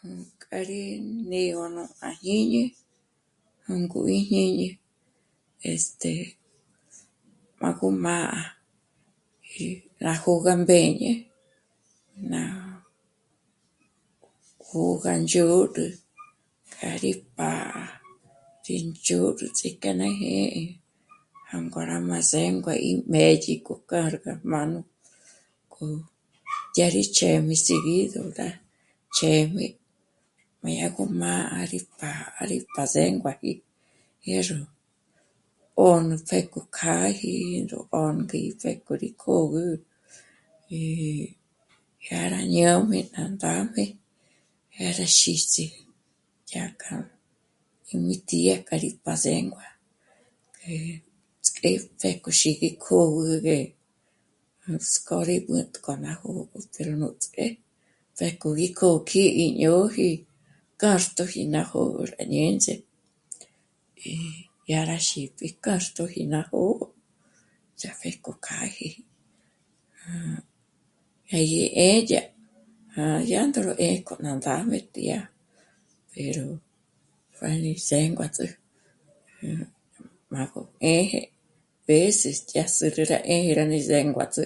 Nú... k'a rí né'egö nù à jñíni, jângo íjñíni este... m'âgó má'a rí jângó ná mbéñe ná k'o gá ndzôd'ü kja rí pá'a índzhôd'uts'i k'a ná jḗ'ē jângo rá má zéngua gí mbêdyiko carga mánù k'o dyà rí ch'êm'isi ró ndé ch'êm'i, má dyá gó mbá'a má rí pá'a pa zénguaji dyá ró 'ö̀nü pjéko kjaji nró 'ö̀nki pjéko k'o rí kö̌gü y dyá rá ñá'm'e rá ndájme dya rá jîxi dyajka yó mí ti 'é kja rí pazéngua que ts'ékjo pjége k'o mí xíkue 'ö̀gügé, nuts'k'ó rí 'ät'ä ná jó'o pero nuts'k'é pjéko gí gó kjí'i íñôji k'âxtoji ná pjòr à ñêns'e y dya rá xípji k'âxtoji ná nójo ts'ápjéko k'a 'íji, dya gí 'ë́dya má dyándro 'éka ná ndzán'm'e tía pero pja rí zénguats'ü m'âgó 'ë́jë veces dya s'é rá 'é'e dya ri zénguats'ü